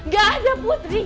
gak ada putri